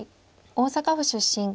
大阪府出身。